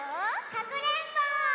かくれんぼ！